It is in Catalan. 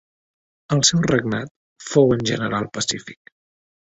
El seu regnat fou en general pacífic.